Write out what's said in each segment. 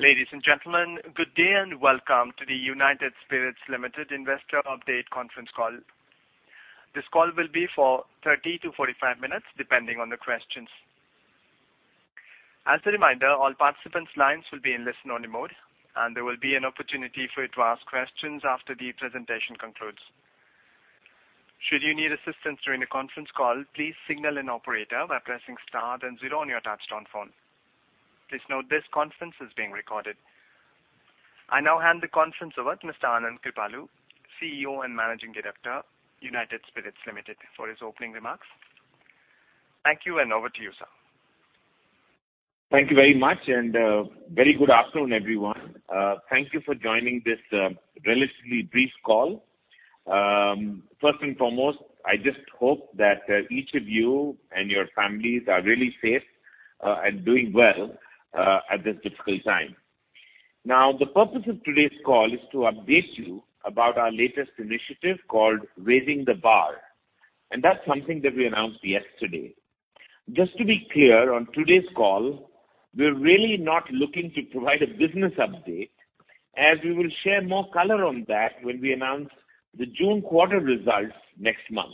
Ladies and gentlemen, good day and welcome to the United Spirits Limited Investor Update Conference Call. This call will be for 30 to 45 minutes, depending on the questions. As a reminder, all participants' lines will be in listen-only mode, and there will be an opportunity for you to ask questions after the presentation concludes. Should you need assistance during the conference call, please signal an operator by pressing star then zero on your touch-tone phone. Please note this conference is being recorded. I now hand the conference over to Mr. Anand Kripalu, CEO and Managing Director, United Spirits Limited, for his opening remarks. Thank you, and over to you, sir. Thank you very much, and very good afternoon, everyone. Thank you for joining this relatively brief call. First and foremost, I just hope that each of you and your families are really safe and doing well at this difficult time. Now, the purpose of today's call is to update you about our latest initiative called Raising the Bar, and that's something that we announced yesterday. Just to be clear, on today's call, we're really not looking to provide a business update, as we will share more color on that when we announce the June quarter results next month.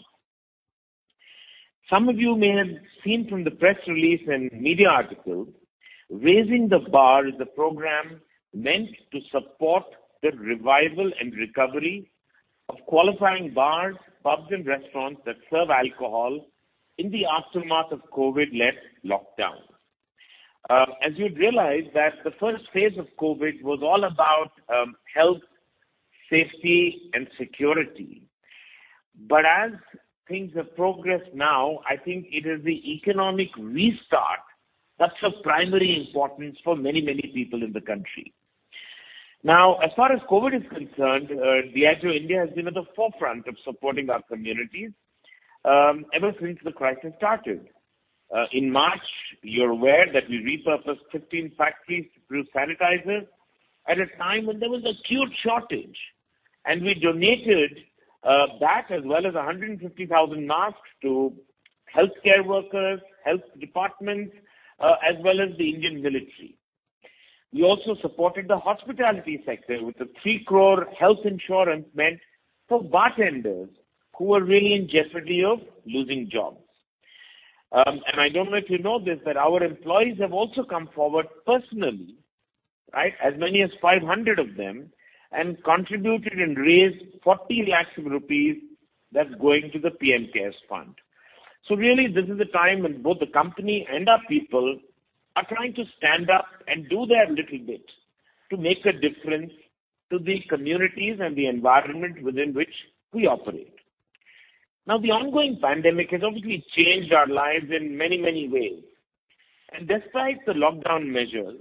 Some of you may have seen from the press release and media articles. Raising the Bar is a program meant to support the revival and recovery of qualifying bars, pubs, and restaurants that serve alcohol in the aftermath of COVID-led lockdown. As you'd realize, the first phase of COVID was all about health, safety, and security. But as things have progressed now, I think it is the economic restart that's of primary importance for many, many people in the country. Now, as far as COVID is concerned, Diageo India has been at the forefront of supporting our communities ever since the crisis started. In March, you're aware that we repurposed 15 factories to produce sanitizers at a time when there was an acute shortage, and we donated that as well as 150,000 masks to healthcare workers, health departments, as well as the Indian military. We also supported the hospitality sector with the 3 crore health insurance meant for bartenders who were really in jeopardy of losing jobs. I don't know if you know this, but our employees have also come forward personally, right, as many as 500 of them, and contributed and raised 40 lakhs rupees, that's going to the PM CARES Fund. Really, this is a time when both the company and our people are trying to stand up and do their little bit to make a difference to the communities and the environment within which we operate. Now, the ongoing pandemic has obviously changed our lives in many, many ways. Despite the lockdown measures,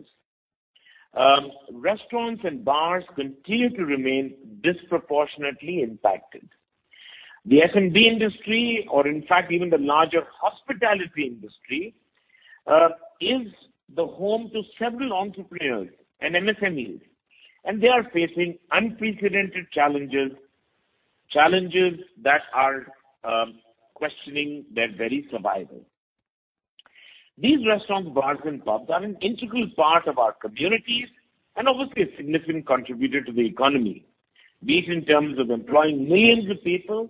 restaurants and bars continue to remain disproportionately impacted. The F&B industry, or in fact, even the larger hospitality industry, is the home to several entrepreneurs and MSMEs, and they are facing unprecedented challenges, challenges that are questioning their very survival. These restaurants, bars, and pubs are an integral part of our communities and obviously a significant contributor to the economy, be it in terms of employing millions of people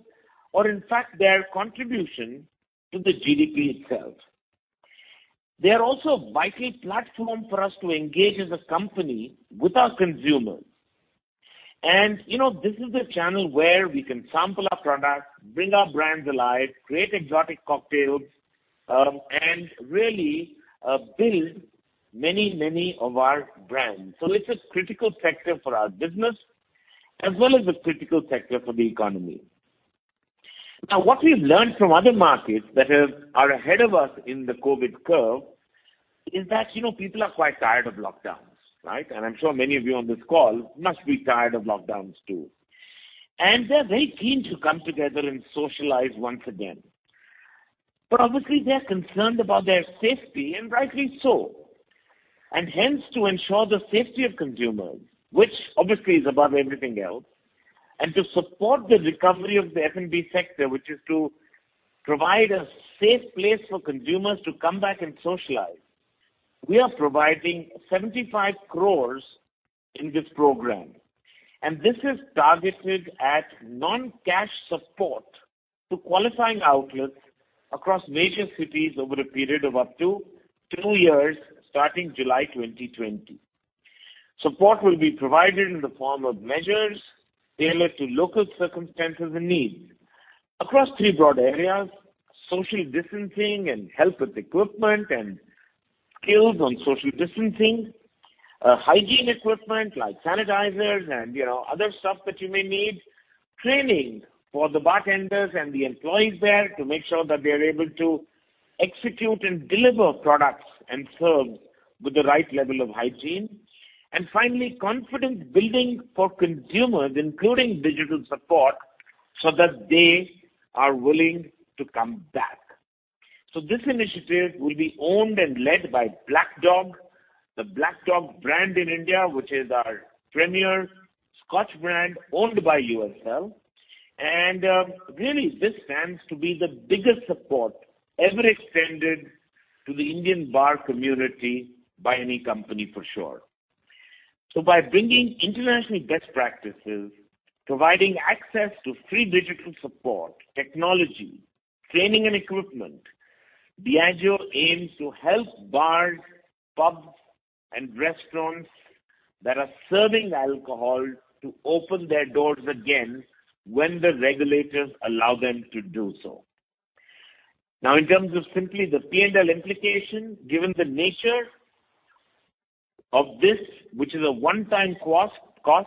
or in fact their contribution to the GDP itself. They are also a vital platform for us to engage as a company with our consumers. And this is the channel where we can sample our products, bring our brands alive, create exotic cocktails, and really build many, many of our brands. So it's a critical sector for our business as well as a critical sector for the economy. Now, what we've learned from other markets that are ahead of us in the COVID curve is that people are quite tired of lockdowns, right? And I'm sure many of you on this call must be tired of lockdowns too. And they're very keen to come together and socialize once again. But obviously, they're concerned about their safety, and rightly so. And hence, to ensure the safety of consumers, which obviously is above everything else, and to support the recovery of the F&B sector, which is to provide a safe place for consumers to come back and socialize, we are providing 750 million in this program. And this is targeted at non-cash support to qualifying outlets across major cities over a period of up to two years starting July 2020. Support will be provided in the form of measures tailored to local circumstances and needs across three broad areas: social distancing and help with equipment and skills on social distancing, hygiene equipment like sanitizers and other stuff that you may need, training for the bartenders and the employees there to make sure that they are able to execute and deliver products and serve with the right level of hygiene, and finally, confidence building for consumers, including digital support, so that they are willing to come back. So this initiative will be owned and led by Black Dog, the Black Dog brand in India, which is our premier Scotch brand owned by USL. And really, this stands to be the biggest support ever extended to the Indian bar community by any company, for sure. So by bringing international best practices, providing access to free digital support, technology, training, and equipment, Diageo aims to help bars, pubs, and restaurants that are serving alcohol to open their doors again when the regulators allow them to do so. Now, in terms of simply the P&L implication, given the nature of this, which is a one-time cost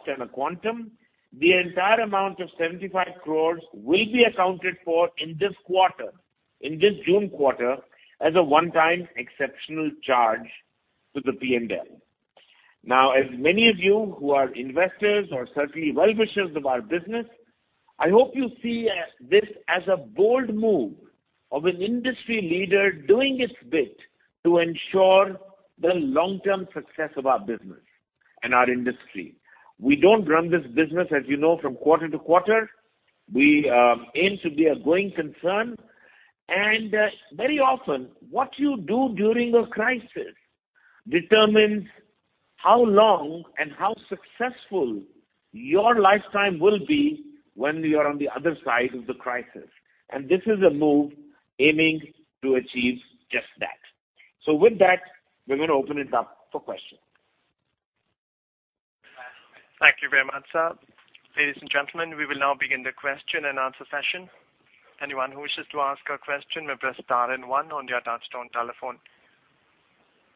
and a quantum, the entire amount of 75 crores will be accounted for in this quarter, in this June quarter, as a one-time exceptional charge to the P&L. Now, as many of you who are investors or certainly well-wishers of our business, I hope you see this as a bold move of an industry leader doing its bit to ensure the long-term success of our business and our industry. We don't run this business, as you know, from quarter to quarter. We aim to be a going concern. Very often, what you do during a crisis determines how long and how successful your lifetime will be when you are on the other side of the crisis. This is a move aiming to achieve just that. With that, we're going to open it up for questions. Thank you very much, sir. Ladies and gentlemen, we will now begin the question and answer session. Anyone who wishes to ask a question may press star and one on your touch-tone telephone.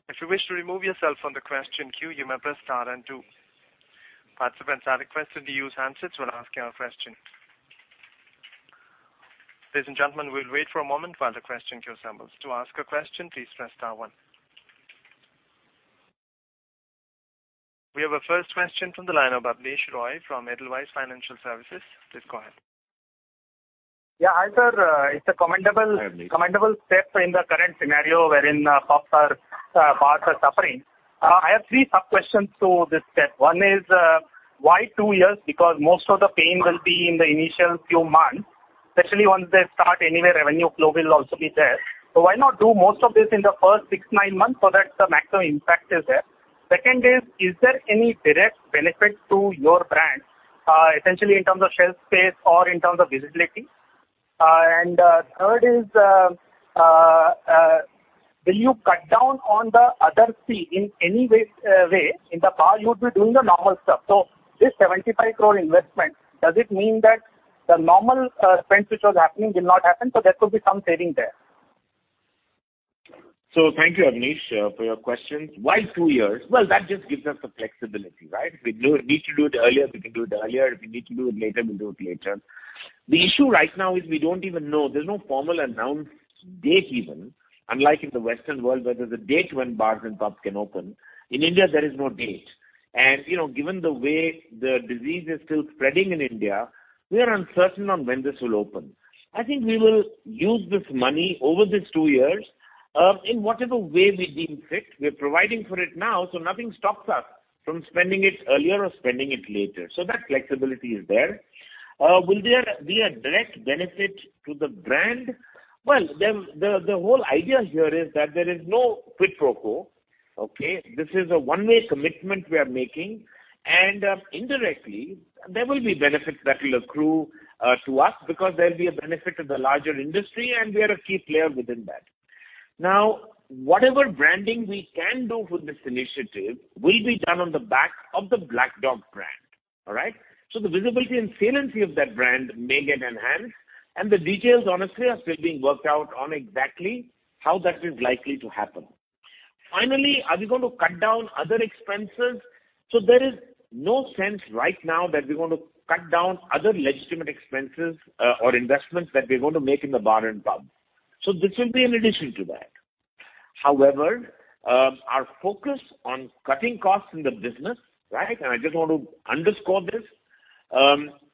If you wish to remove yourself from the question queue, you may press star and two. Participants are requested to use handsets when asking a question. Ladies and gentlemen, we'll wait for a moment while the question queue assembles. To ask a question, please press star one. We have a first question from the line of Abneesh Roy from Edelweiss Financial Services. Please go ahead. Yeah, hi, sir. It's a commendable step in the current scenario wherein the bars are suffering. I have three sub-questions to this step. One is, why two years? Because most of the pain will be in the initial few months, especially once they start, anyway, revenue flow will also be there. So why not do most of this in the first six, nine months so that the maximum impact is there? Second is, is there any direct benefit to your brand, essentially in terms of shelf space or in terms of visibility? And third is, will you cut down on the other fee in any way in the bar? You would be doing the normal stuff. So this 75 crore investment, does it mean that the normal spend which was happening will not happen? So there could be some saving there. So thank you, Abneesh, for your questions. Why two years? Well, that just gives us the flexibility, right? If we need to do it earlier, we can do it earlier. If we need to do it later, we'll do it later. The issue right now is we don't even know. There's no formal announced date even, unlike in the Western world where there's a date when bars and pubs can open. In India, there is no date. And given the way the disease is still spreading in India, we are uncertain on when this will open. I think we will use this money over these two years in whatever way we deem fit. We're providing for it now, so nothing stops us from spending it earlier or spending it later. So that flexibility is there. Will there be a direct benefit to the brand? Well, the whole idea here is that there is no quid pro quo, okay? This is a one-way commitment we are making. And indirectly, there will be benefits that will accrue to us because there'll be a benefit to the larger industry, and we are a key player within that. Now, whatever branding we can do for this initiative will be done on the back of the Black Dog brand, all right? So the visibility and saliency of that brand may get enhanced. And the details, honestly, are still being worked out on exactly how that is likely to happen. Finally, are we going to cut down other expenses? So there is no sense right now that we're going to cut down other legitimate expenses or investments that we're going to make in the bar and pub. So this will be in addition to that. However, our focus on cutting costs in the business, right? And I just want to underscore this.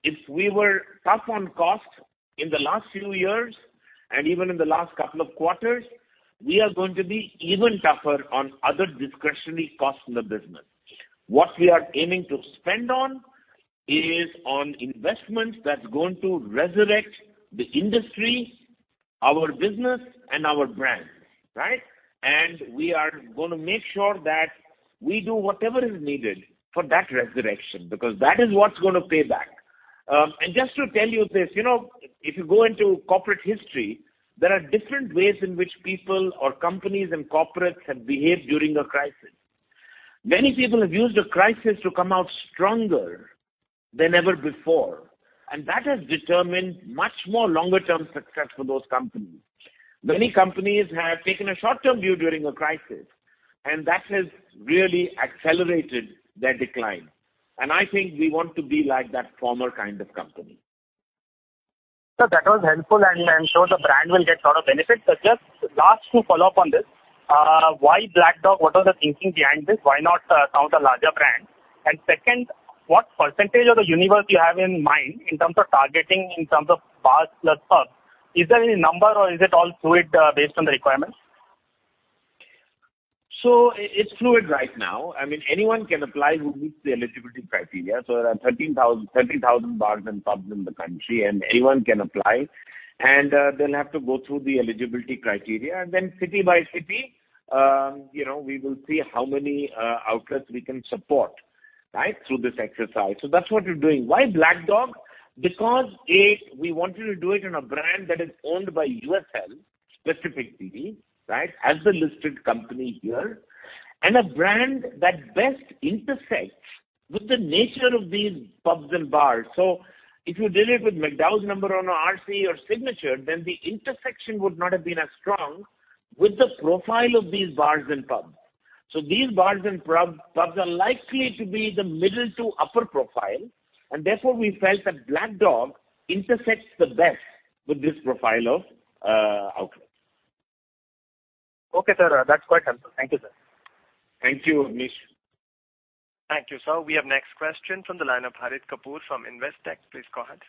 If we were tough on cost in the last few years and even in the last couple of quarters, we are going to be even tougher on other discretionary costs in the business. What we are aiming to spend on is on investment that's going to resurrect the industry, our business, and our brand, right? And we are going to make sure that we do whatever is needed for that resurrection because that is what's going to pay back. And just to tell you this, if you go into corporate history, there are different ways in which people or companies and corporates have behaved during a crisis. Many people have used a crisis to come out stronger than ever before. And that has determined much more longer-term success for those companies. Many companies have taken a short-term view during a crisis, and that has really accelerated their decline. And I think we want to be like that former kind of company. That was helpful and I'm sure the brand will get a lot of benefit. Just one last follow up on this, why Black Dog? What was the thinking behind this? Why not another larger brand? And second, what percentage of the universe do you have in mind in terms of targeting in terms of bars plus pubs? Is there any number or is it all fluid based on the requirements? It's fluid right now. I mean, anyone can apply who meets the eligibility criteria. There are 13,000 bars and pubs in the country, and anyone can apply. They'll have to go through the eligibility criteria. Then city by city, we will see how many outlets we can support, right, through this exercise. That's what we're doing. Why Black Dog? Because we wanted to do it in a brand that is owned by USL specifically, right, as the listed company here, and a brand that best intersects with the nature of these pubs and bars. If you did it with McDowell's No. 1 and RC or Signature, then the intersection would not have been as strong with the profile of these bars and pubs. These bars and pubs are likely to be the middle to upper profile. Therefore, we felt that Black Dog intersects the best with this profile of outlets. Okay, sir. That's quite helpful. Thank you, sir. Thank you, Abneesh. Thank you, sir. We have next question from the line of Harit Kapoor from Investec. Please go ahead.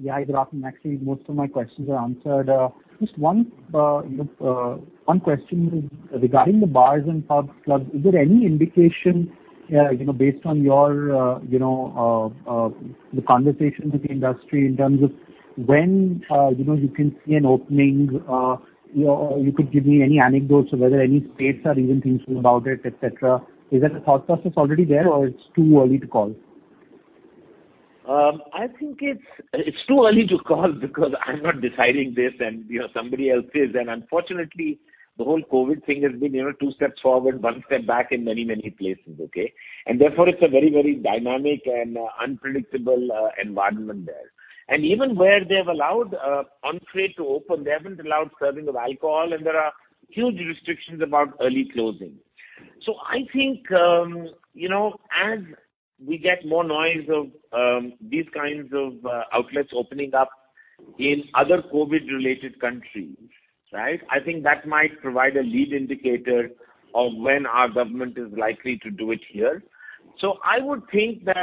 Yeah, I'd love to. Actually, most of my questions are answered. Just one question regarding the bars and pubs. Is there any indication based on your conversations with the industry in terms of when you can see an opening? You could give me any anecdotes of whether any states are even thinking about it, etc. Is that a thought process already there or it's too early to call? I think it's too early to call because I'm not deciding this and somebody else is. And unfortunately, the whole COVID thing has been two steps forward, one step back in many, many places, okay? And therefore, it's a very, very dynamic and unpredictable environment there. And even where they have allowed on-site to open, they haven't allowed serving of alcohol, and there are huge restrictions about early closing. So I think as we get more news of these kinds of outlets opening up in other COVID-related countries, right, I think that might provide a lead indicator of when our government is likely to do it here. So I would think that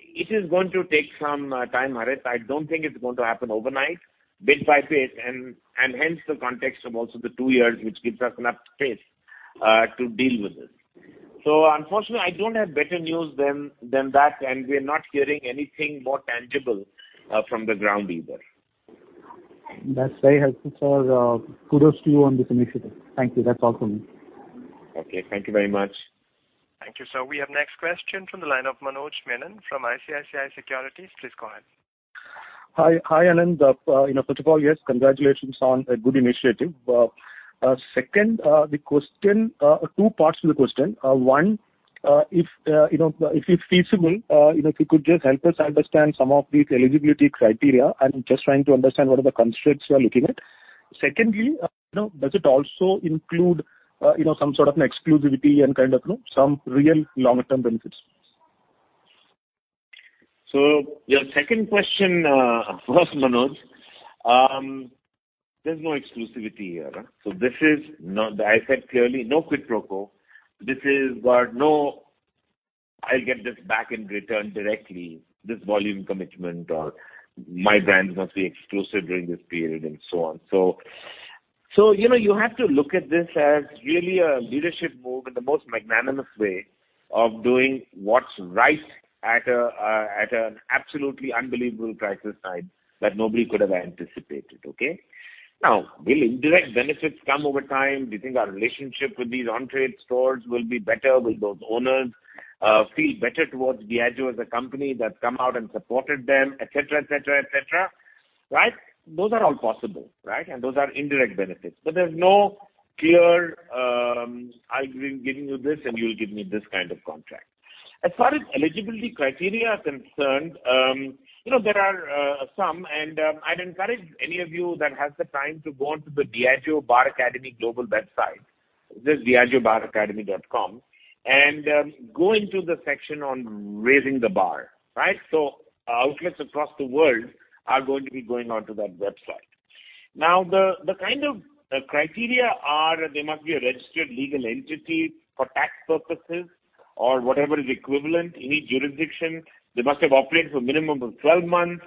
it is going to take some time, Harit. I don't think it's going to happen overnight, bit by bit, and hence the context of also the two years, which gives us enough space to deal with this. So unfortunately, I don't have better news than that, and we're not hearing anything more tangible from the ground either. That's very helpful, sir. Kudos to you on this initiative. Thank you. That's all from me. Okay. Thank you very much. Thank you, sir. We have next question from the line of Manoj Menon from ICICI Securities. Please go ahead. Hi, Anand. First of all, yes, congratulations on a good initiative. Second, the question, two parts to the question. One, if it's feasible, if you could just help us understand some of these eligibility criteria. I'm just trying to understand what are the constraints you are looking at. Secondly, does it also include some sort of exclusivity and kind of some real longer-term benefits? So your second question was, Manoj, there's no exclusivity here. So this is not, I said clearly, no quid pro quo. This is what, no, I'll get this back in return directly, this volume commitment, or my brand must be exclusive during this period and so on. So you have to look at this as really a leadership move in the most magnanimous way of doing what's right at an absolutely unbelievable crisis time that nobody could have anticipated, okay? Now, will indirect benefits come over time? Do you think our relationship with these on-trade stores will be better? Will those owners feel better towards Diageo as a company that's come out and supported them, etc., etc., etc.? Right? Those are all possible, right? And those are indirect benefits. But there's no clear, "I'll give you this and you'll give me this kind of contract." As far as eligibility criteria are concerned, there are some, and I'd encourage any of you that has the time to go on to the Diageo Bar Academy global website, which is diageobaracademy.com, and go into the section on Raising the Bar, right? So outlets across the world are going to be going on to that website. Now, the kind of criteria are they must be a registered legal entity for tax purposes or whatever is equivalent, any jurisdiction. They must have operated for a minimum of 12 months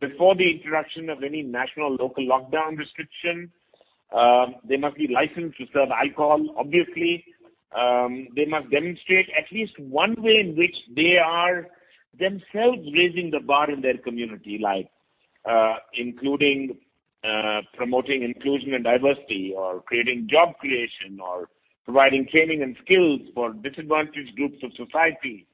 before the introduction of any national or local lockdown restriction. They must be licensed to serve alcohol, obviously. They must demonstrate at least one way in which they are themselves raising the bar in their community, like including promoting inclusion and diversity or creating job creation or providing training and skills for disadvantaged groups of society,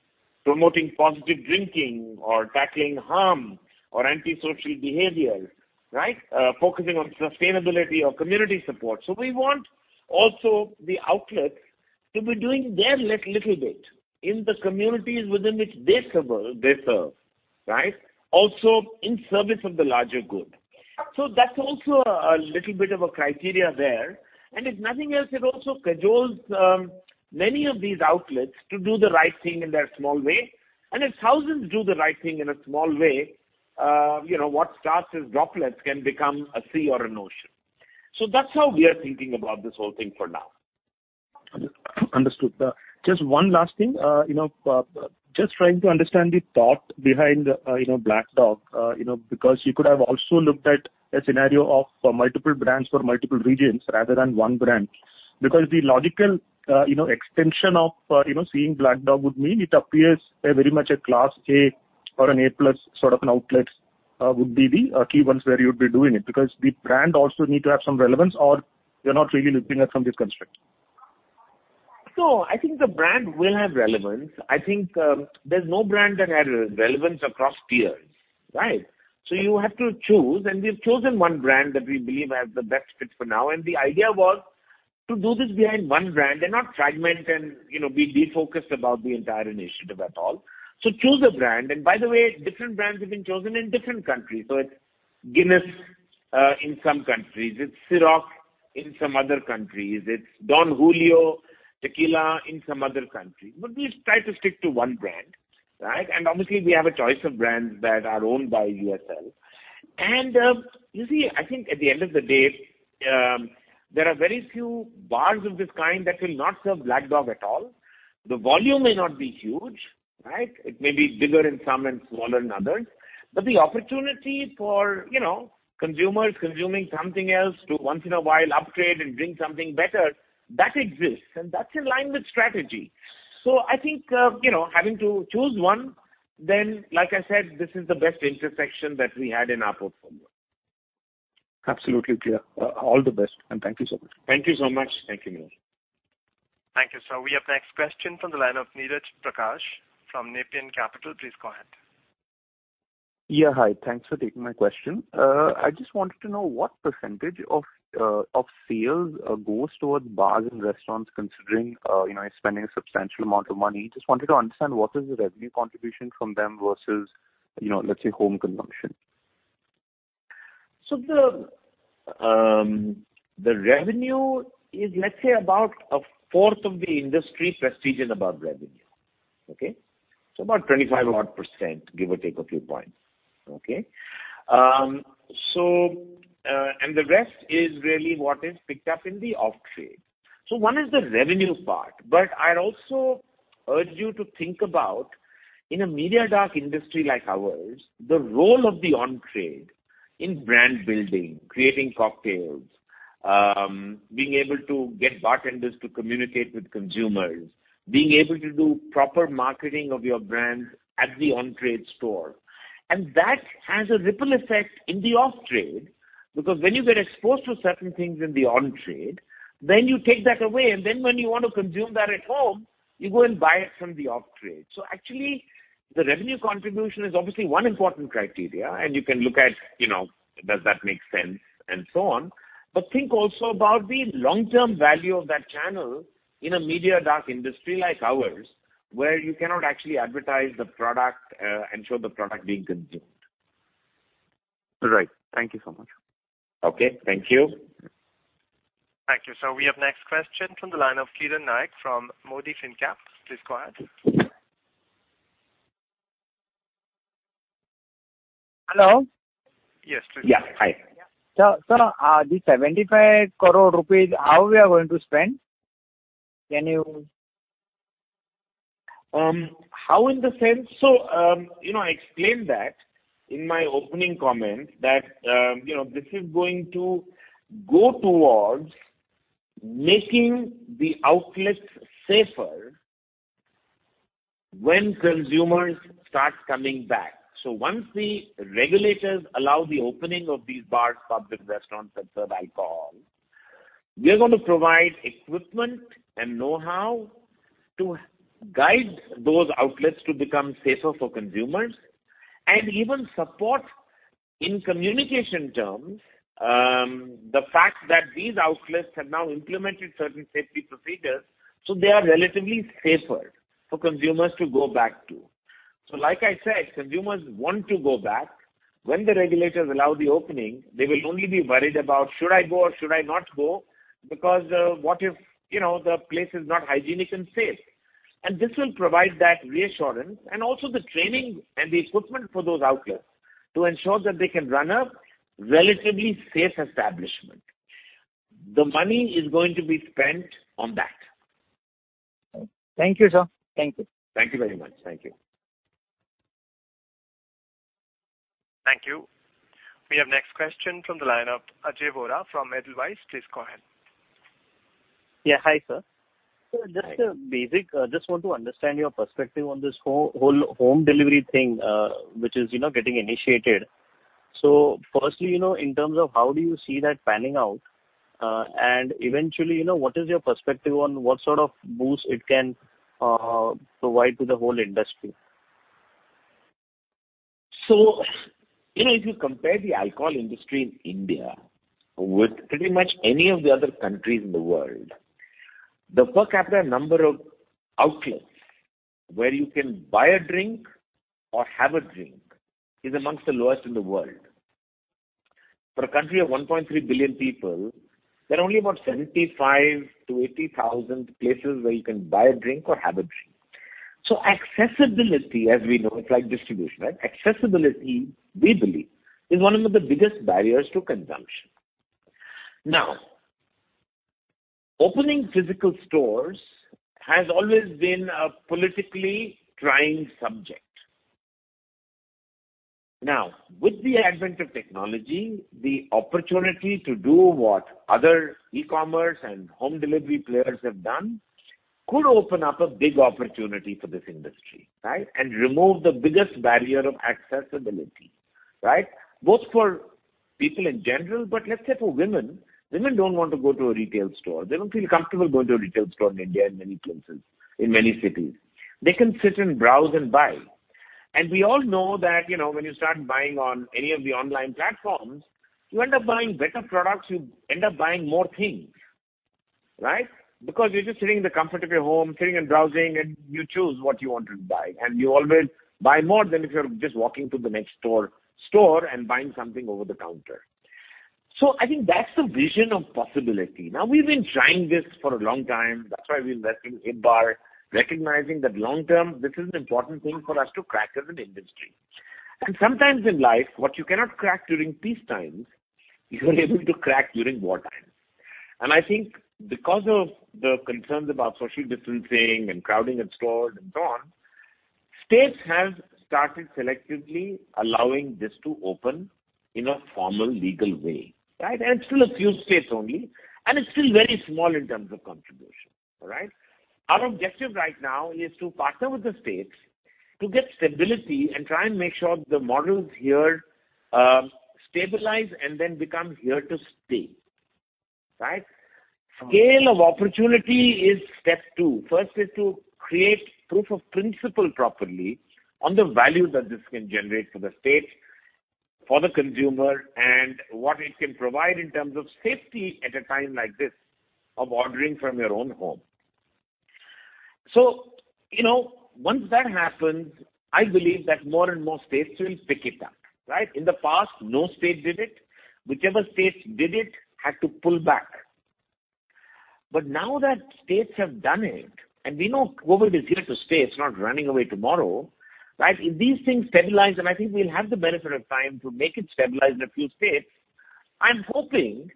promoting positive drinking or tackling harm or anti-social behavior, right? Focusing on sustainability or community support, so we want also the outlets to be doing their little bit in the communities within which they serve, right? Also in service of the larger good, so that's also a little bit of a criteria there, and if nothing else, it also cajoles many of these outlets to do the right thing in their small way, and if thousands do the right thing in a small way, what starts as droplets can become a sea or an ocean, so that's how we are thinking about this whole thing for now. Understood. Just one last thing. Just trying to understand the thought behind Black Dog because you could have also looked at a scenario of multiple brands for multiple regions rather than one brand. Because the logical extension of seeing Black Dog would mean it appears very much a Class A or an A+ plus sort of an outlet would be the key ones where you'd be doing it because the brand also needs to have some relevance or you're not really looking at from this construct. I think the brand will have relevance. I think there's no brand that has relevance across tiers, right? You have to choose, and we've chosen one brand that we believe has the best fit for now. The idea was to do this behind one brand and not fragment and be defocused about the entire initiative at all. Choose a brand. By the way, different brands have been chosen in different countries. It's Guinness in some countries. It's Ciroc in some other countries. It's Don Julio Tequila in some other countries. We try to stick to one brand, right? Obviously, we have a choice of brands that are owned by USL. You see, I think at the end of the day, there are very few bars of this kind that will not serve Black Dog at all. The volume may not be huge, right? It may be bigger in some and smaller in others. But the opportunity for consumers consuming something else to once in a while upgrade and bring something better, that exists. And that's in line with strategy. So I think having to choose one, then, like I said, this is the best intersection that we had in our portfolio. Absolutely clear. All the best, and thank you so much. Thank you so much. Thank you, Manoj. Thank you, sir. We have next question from the line of Neerav Prakash from Nepean Capital. Please go ahead. Yeah, hi. Thanks for taking my question. I just wanted to know what percentage of sales goes towards bars and restaurants considering you're spending a substantial amount of money. Just wanted to understand what is the revenue contribution from them versus, let's say, home consumption. So the revenue is, let's say, about a fourth of the industry Prestige and Above revenue, okay? So about 25-odd%, give or take a few points, okay? And the rest is really what is picked up in the Off-trade. So one is the revenue part, but I'd also urge you to think about, in a Media Dark industry like ours, the role of the On-trade in brand building, creating cocktails, being able to get bartenders to communicate with consumers, being able to do proper marketing of your brand at the On-trade store. And that has a ripple effect in the Off-trade because when you get exposed to certain things in the On-trade, then you take that away, and then when you want to consume that at home, you go and buy it from the Off-trade. So actually, the revenue contribution is obviously one important criterion, and you can look at, does that make sense, and so on. But think also about the long-term value of that channel in a Media Dark industry like ours where you cannot actually advertise the product and show the product being consumed. Right. Thank you so much. Okay. Thank you. Thank you. So we have next question from the line of Kiran Naik from Mody Fincap. Please go ahead. Hello? Yes, please. Yeah. Hi. Sir, the 75 crore rupees, how are we going to spend? Can you? How in the sense? So I explained that in my opening comment that this is going to go towards making the outlets safer when consumers start coming back. So once the regulators allow the opening of these bars, pubs, and restaurants that serve alcohol, we are going to provide equipment and know-how to guide those outlets to become safer for consumers and even support, in communication terms, the fact that these outlets have now implemented certain safety procedures, so they are relatively safer for consumers to go back to. So like I said, consumers want to go back. When the regulators allow the opening, they will only be worried about, "Should I go or should I not go?" Because what if the place is not hygienic and safe? This will provide that reassurance and also the training and the equipment for those outlets to ensure that they can run a relatively safe establishment. The money is going to be spent on that. Thank you, sir. Thank you. Thank you very much. Thank you. Thank you. We have next question from the line of Ajay Vora from Enam Holdings. Please go ahead. Yeah. Hi, sir. Just basic, I just want to understand your perspective on this whole home delivery thing, which is getting initiated. So firstly, in terms of how do you see that panning out? And eventually, what is your perspective on what sort of boost it can provide to the whole industry? So if you compare the alcohol industry in India with pretty much any of the other countries in the world, the per capita number of outlets where you can buy a drink or have a drink is among the lowest in the world. For a country of 1.3 billion people, there are only about 75,000-80,000 places where you can buy a drink or have a drink. So accessibility, as we know, it's like distribution, right? Accessibility, we believe, is one of the biggest barriers to consumption. Now, opening physical stores has always been a politically trying subject. Now, with the advent of technology, the opportunity to do what other e-commerce and home delivery players have done could open up a big opportunity for this industry, right? And remove the biggest barrier of accessibility, right? Both for people in general, but let's say for women, women don't want to go to a retail store. They don't feel comfortable going to a retail store in India and many places, in many cities. They can sit and browse and buy. And we all know that when you start buying on any of the online platforms, you end up buying better products, you end up buying more things, right? Because you're just sitting in the comfort of your home, sitting and browsing, and you choose what you want to buy. And you always buy more than if you're just walking to the next store and buying something over the counter. So I think that's the vision of possibility. Now, we've been trying this for a long time. That's why we invest in HipBar, recognizing that long-term, this is an important thing for us to crack as an industry. And sometimes in life, what you cannot crack during peacetime, you're able to crack during wartime. And I think because of the concerns about social distancing and crowding at stores and so on, states have started selectively allowing this to open in a formal legal way, right? And it's still a few states only, and it's still very small in terms of contribution, right? Our objective right now is to partner with the states to get stability and try and make sure the models here stabilize and then become here to stay, right? Scale of opportunity is step two. First is to create proof of principle properly on the value that this can generate for the states, for the consumer, and what it can provide in terms of safety at a time like this of ordering from your own home. So once that happens, I believe that more and more states will pick it up, right? In the past, no state did it. Whichever states did it had to pull back. But now that states have done it, and we know COVID is here to stay. It's not running away tomorrow, right? If these things stabilize, and I think we'll have the benefit of time to make it stabilize in a few states, I'm hoping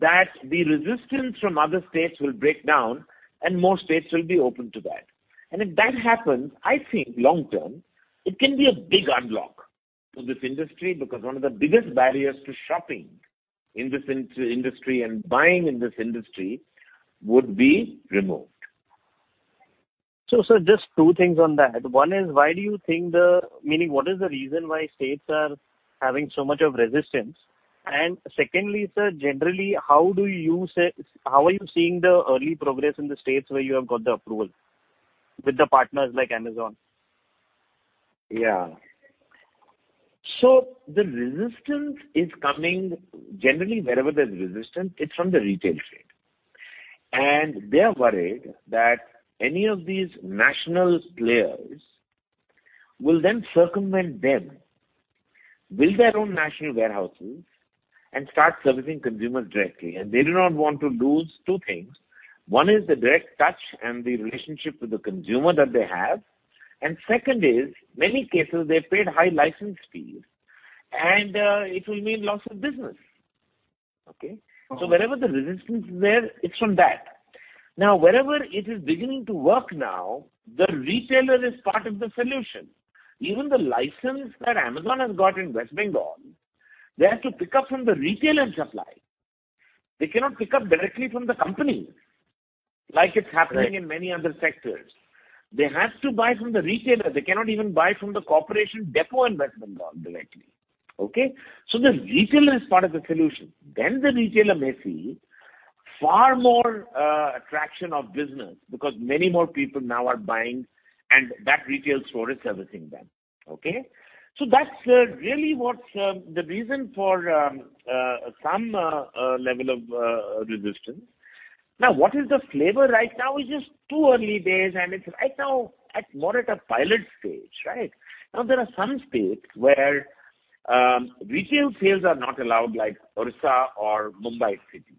that the resistance from other states will break down and more states will be open to that. If that happens, I think long-term, it can be a big unlock for this industry because one of the biggest barriers to shopping in this industry and buying in this industry would be removed. So, sir, just two things on that. One is, why do you think, meaning what is the reason why states are having so much of resistance? And secondly, sir, generally, how do you use it? How are you seeing the early progress in the states where you have got the approval with the partners like Amazon? Yeah. So the resistance is coming generally wherever there's resistance, it's from the retail trade. And they are worried that any of these national players will then circumvent them, build their own national warehouses, and start servicing consumers directly. And they do not want to lose two things. One is the direct touch and the relationship with the consumer that they have. And second is, in many cases, they've paid high license fees, and it will mean loss of business, okay? So wherever the resistance is there, it's from that. Now, wherever it is beginning to work now, the retailer is part of the solution. Even the license that Amazon has got in West Bengal, they have to pick up from the retailer supply. They cannot pick up directly from the companies like it's happening in many other sectors. They have to buy from the retailer. They cannot even buy from the corporation depot in West Bengal directly, okay? So the retailer is part of the solution. Then the retailer may see far more attraction of business because many more people now are buying, and that retail store is servicing them, okay? So that's really what's the reason for some level of resistance. Now, what is the flavor right now? It's just too early days, and it's right now more at a pilot stage, right? Now, there are some states where retail sales are not allowed like Orissa or Mumbai City,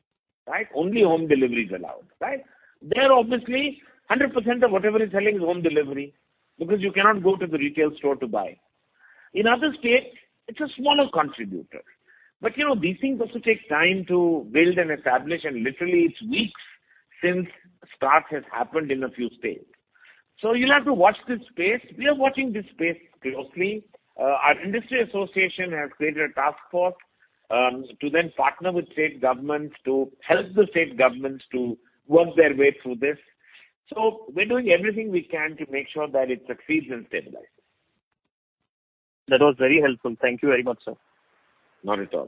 right? Only home delivery is allowed, right? There, obviously, 100% of whatever is selling is home delivery because you cannot go to the retail store to buy. In other states, it's a smaller contributor. But these things also take time to build and establish, and literally, it's weeks since starts have happened in a few states. So you'll have to watch this space. We are watching this space closely. Our industry association has created a task force to then partner with state governments to help the state governments to work their way through this. So we're doing everything we can to make sure that it succeeds and stabilizes. That was very helpful. Thank you very much, sir. Not at all.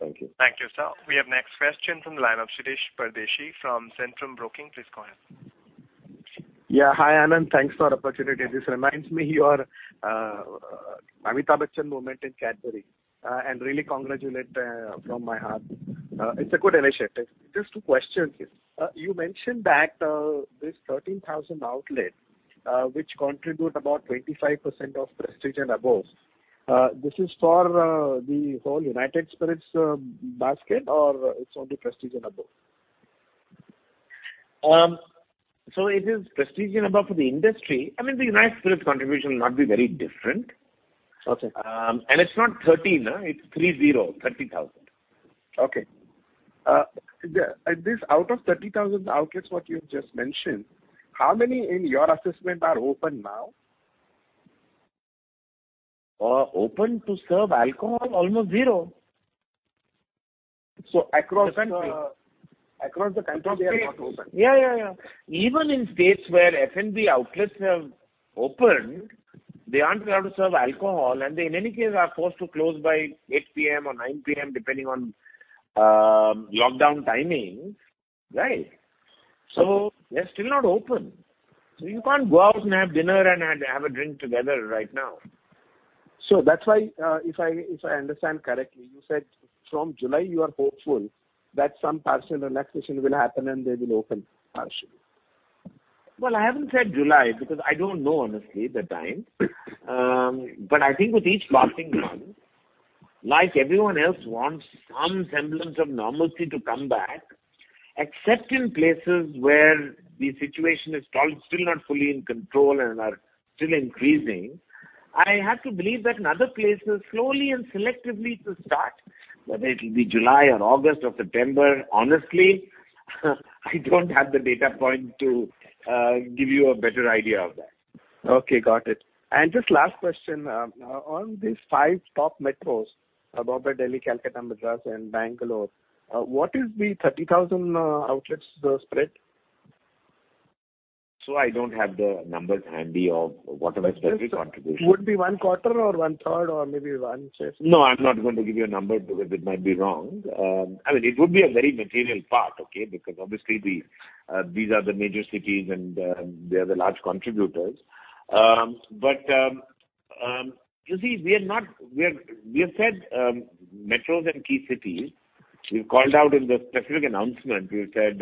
Thank you. Thank you, sir. We have next question from the line of Shirish Pardeshi from Centrum Broking. Please go ahead. Yeah. Hi, Anand. Thanks for the opportunity. This reminds me your Amitabh Bachchan moment in Cadbury. And really, congratulate from my heart. It's a good initiative. Just two questions. You mentioned that this 13,000 outlet, which contributes about 25% of prestige and above, this is for the whole United Spirits basket, or it's only prestige and above? So it is Prestige and Above for the industry. I mean, the United Spirits contribution must be very different. And it's not 13,000. It's 30,000. Okay. Out of 30,000 outlets, what you've just mentioned, how many in your assessment are open now? Open to serve alcohol? Almost zero. So across the country? Across the country, they are not open. Yeah, yeah, yeah. Even in states where F&B outlets have opened, they aren't allowed to serve alcohol, and they in any case are forced to close by 8:00 PM or 9:00 PM, depending on lockdown timing, right? So they're still not open. So you can't go out and have dinner and have a drink together right now. So that's why, if I understand correctly, you said from July, you are hopeful that some partial relaxation will happen and they will open partially. I haven't said July because I don't know, honestly, the time, but I think with each passing month, like everyone else wants some semblance of normalcy to come back, except in places where the situation is still not fully in control and are still increasing. I have to believe that in other places, slowly and selectively to start, whether it will be July or August or September, honestly, I don't have the data point to give you a better idea of that. Okay. Got it. And just last question. On these five top metros, Bombay, Delhi, Calcutta, Madras, and Bangalore, what is the 30,000 outlets spread? I don't have the numbers handy of whatever specific contribution. Would it be one quarter or one third or maybe one fifth? No, I'm not going to give you a number because it might be wrong. I mean, it would be a very material part, okay? Because obviously, these are the major cities and they are the large contributors. But you see, we have said metros and key cities. We've called out in the specific announcement. We've said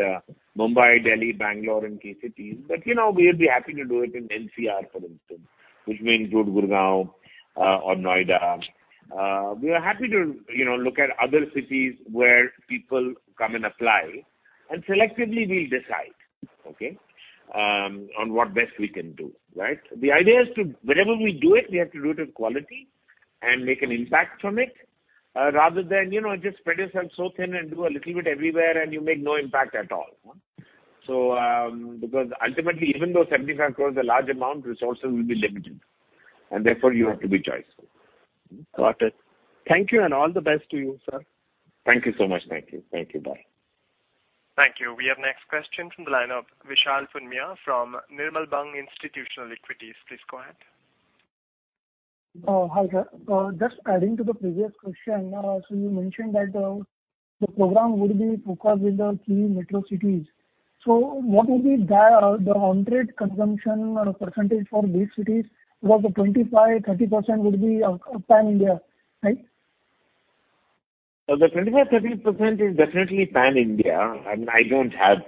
Mumbai, Delhi, Bangalore, and key cities. But we'd be happy to do it in NCR, for instance, which may include Gurgaon or Noida. We are happy to look at other cities where people come and apply, and selectively, we'll decide, okay, on what best we can do, right? The idea is to wherever we do it, we have to do it with quality and make an impact from it rather than just spread yourself so thin and do a little bit everywhere and you make no impact at all. Because ultimately, even though 75 crores is a large amount, resources will be limited, and therefore, you have to be choiceful. Got it. Thank you, and all the best to you, sir. Thank you so much. Thank you. Thank you. Bye. Thank you. We have next question from the line of Vishal Punmiya from Nirmal Bang Institutional Equities. Please go ahead. Hi, sir. Just adding to the previous question. So you mentioned that the program would be focused with the key metro cities. So what would be the on-trade consumption percentage for these cities? Because the 25%-30% would be pan-India, right? The 25%-30% is definitely pan-India. I mean, I don't have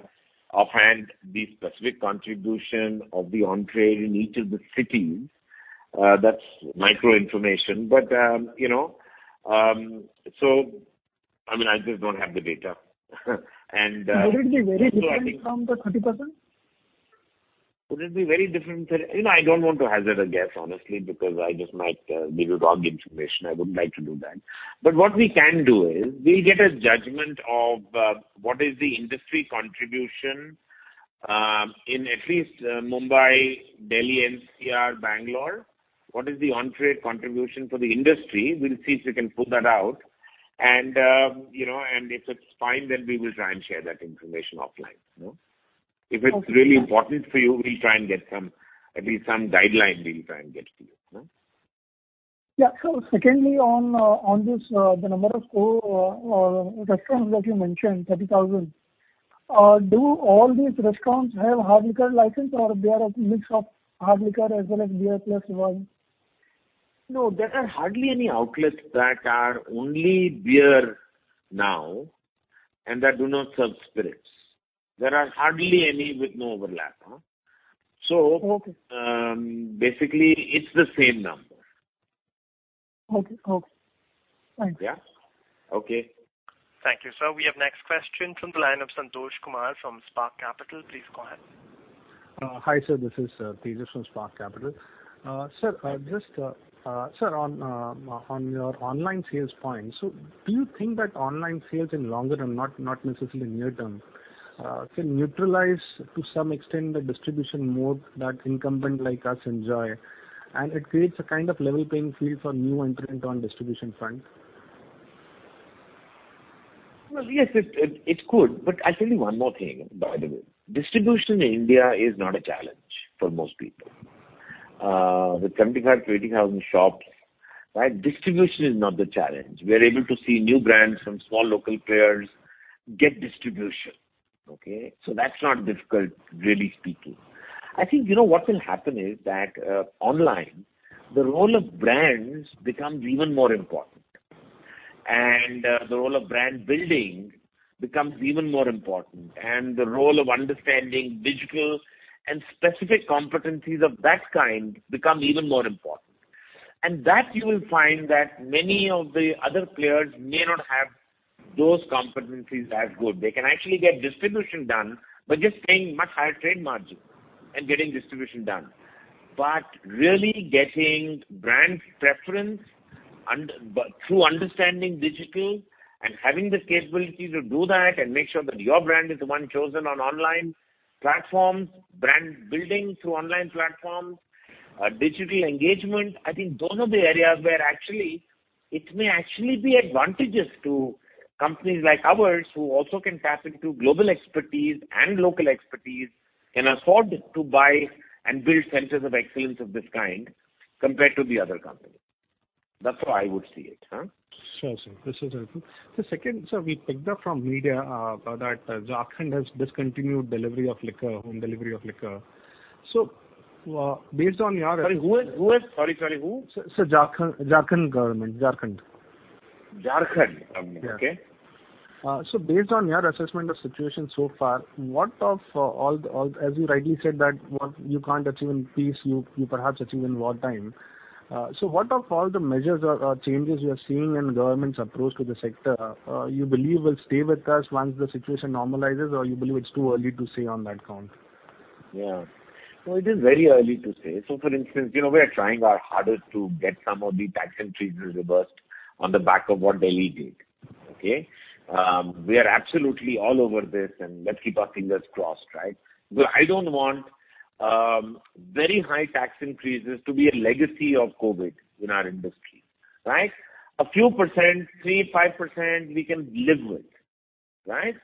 offhand the specific contribution of the on-trade in each of the cities. That's micro information. But so I mean, I just don't have the data. And. Would it be very different from the 30%? Would it be very different? I don't want to hazard a guess, honestly, because I just might give you wrong information. I wouldn't like to do that. But what we can do is we'll get a judgment of what is the industry contribution in at least Mumbai, Delhi, NCR, Bangalore. What is the on-trade contribution for the industry? We'll see if we can pull that out. And if it's fine, then we will try and share that information offline. If it's really important for you, we'll try and get at least some guideline we'll try and get to you. Yeah. So, secondly, on the number of restaurants that you mentioned, 30,000, do all these restaurants have hard liquor license, or they are a mix of hard liquor as well as beer plus wine? No, there are hardly any outlets that are only beer now, and that do not serve spirits. There are hardly any with no overlap. So basically, it's the same number. Okay. Okay. Thanks. Yeah? Okay. Thank you, sir. We have next question from the line of Santosh Kumar from Spark Capital. Please go ahead. Hi, sir. This is Teja from Spark Capital. Sir, just on your online sales point, so do you think that online sales in longer term, not necessarily near term, can neutralize to some extent the distribution mode that incumbents like us enjoy, and it creates a kind of level playing field for new entrants on distribution front? Yes, it could. But I'll tell you one more thing, by the way. Distribution in India is not a challenge for most people. With 75,000-80,000 shops, right, distribution is not the challenge. We are able to see new brands from small local players get distribution, okay? So that's not difficult, really speaking. I think what will happen is that online, the role of brands becomes even more important. And the role of brand building becomes even more important. And the role of understanding digital and specific competencies of that kind becomes even more important. And that you will find that many of the other players may not have those competencies as good. They can actually get distribution done by just paying much higher trade margin and getting distribution done. But really getting brand preference through understanding digital and having the capability to do that and make sure that your brand is the one chosen on online platforms, brand building through online platforms, digital engagement, I think those are the areas where actually it may actually be advantageous to companies like ours who also can tap into global expertise and local expertise in a sort of buy and build centers of excellence of this kind compared to the other companies. That's how I would see it. Sure, sir. This is helpful. The second, sir, we picked up from media that Jharkhand has discontinued delivery of liquor, home delivery of liquor. So based on your. Sorry, who is? Sorry, sorry, who? Sir, Jharkhand Government, Jharkhand. Jharkhand, okay? So, based on your assessment of the situation so far, what of all the, as you rightly said, that what you can't achieve in peace, you perhaps achieve in wartime. So, what of all the measures or changes you are seeing in the government's approach to the sector do you believe will stay with us once the situation normalizes, or do you believe it's too early to say on that count? Yeah. Well, it is very early to say. So for instance, we are trying our hardest to get some of the tax increases reversed on the back of what Delhi did, okay? We are absolutely all over this, and let's keep our fingers crossed, right? Because I don't want very high tax increases to be a legacy of COVID in our industry, right? A few percent, 3%, 5%, we can live with, right?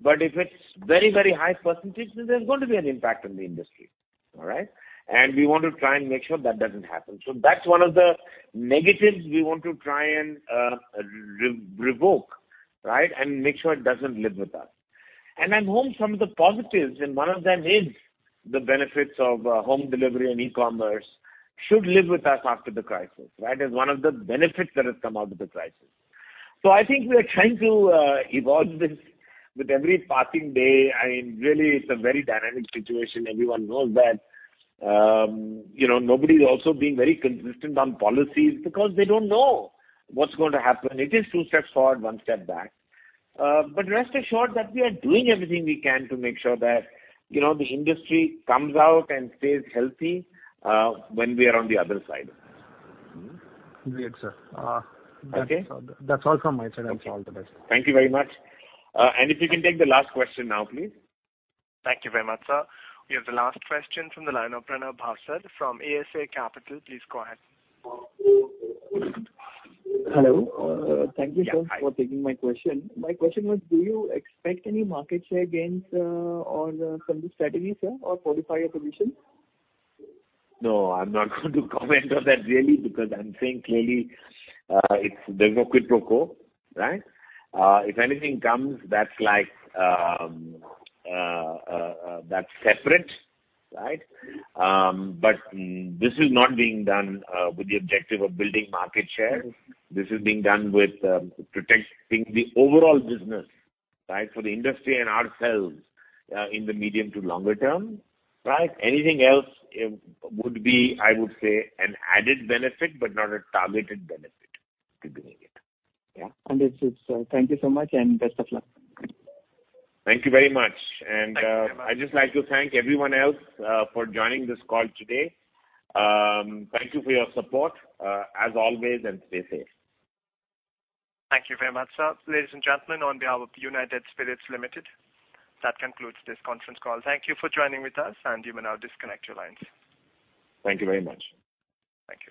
But if it's very, very high percentage, then there's going to be an impact on the industry, all right? And we want to try and make sure that doesn't happen. So that's one of the negatives we want to try and revoke, right, and make sure it doesn't live with us. I'm hoping some of the positives, and one of them is the benefits of home delivery and e-commerce should live with us after the crisis, right, as one of the benefits that have come out of the crisis. So I think we are trying to evolve this with every passing day. I mean, really, it's a very dynamic situation. Everyone knows that. Nobody's also being very consistent on policies because they don't know what's going to happen. It is two steps forward, one step back. But rest assured that we are doing everything we can to make sure that the industry comes out and stays healthy when we are on the other side of it. Great, sir. That's all from my side. I wish you all the best. Thank you very much. And if you can take the last question now, please. Thank you very much, sir. We have the last question from the line of Pranav Bhavsar from ASA Capital. Please go ahead. Hello. Thank you, sir, for taking my question. My question was, do you expect any market share gains or some strategy, sir, or modify your position? No, I'm not going to comment on that really because I'm saying clearly there's no quid pro quo, right? If anything comes, that's separate, right? But this is not being done with the objective of building market share. This is being done with protecting the overall business, right, for the industry and ourselves in the medium to longer term, right? Anything else would be, I would say, an added benefit, but not a targeted benefit to be in it. Yeah. Understood, sir. Thank you so much and best of luck. Thank you very much, and I'd just like to thank everyone else for joining this call today. Thank you for your support, as always, and stay safe. Thank you very much, sir. Ladies and gentlemen, on behalf of United Spirits Limited, that concludes this conference call. Thank you for joining with us, and you may now disconnect your lines. Thank you very much. Thank you.